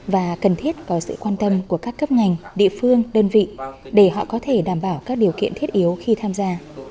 và cần thiết có sự quan tâm của các cấp ngành địa phương đơn vị để họ có thể đảm bảo các điều kiện thiết yếu khi tham gia